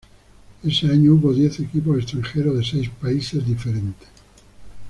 Ese año hubo diez equipos extranjeros de seis países diferentes.